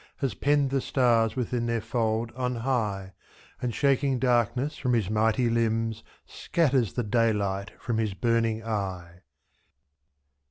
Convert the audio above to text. Has penned the stars within their fold on high, / And, shaking darkness from his mighty hmbs. Scatters the dayHght from his burning eye.